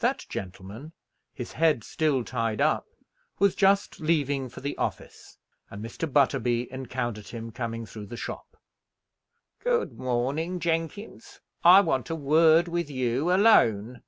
That gentleman, his head still tied up, was just leaving for the office, and Mr. Butterby encountered him coming through the shop. "Good morning, Jenkins. I want a word with you alone."